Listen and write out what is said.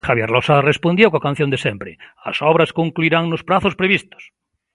Javier Losada respondía coa canción de sempre: "As obras concluirán nos prazos previstos".